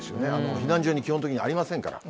避難所に基本的にありませんから。